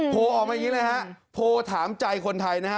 ออกมาอย่างนี้เลยฮะโพลถามใจคนไทยนะฮะ